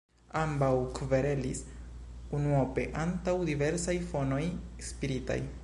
Ambaŭ kverelis, unuope antaŭ diversaj fonoj spiritaj.